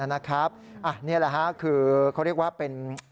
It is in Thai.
นี่แหละค่ะคือเขาเรียกว่าเป็น